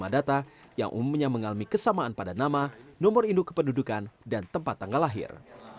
satu lima ratus enam puluh lima data yang umumnya mengalami kesamaan pada nama nomor induk kependudukan dan tempat tanggal lahir